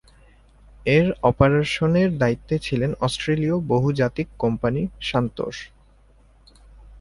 এর অপারেশনের দায়িত্বে ছিল অস্ট্রেলীয় বহুজাতিক কোম্পানি সান্তোস।